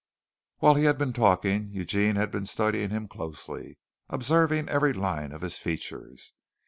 While he had been talking Eugene had been studying him closely, observing every line of his features.